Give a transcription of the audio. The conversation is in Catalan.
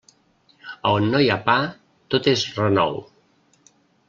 A on no hi ha pa, tot és renou.